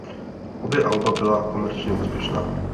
Obě alba byla komerčně úspěšná.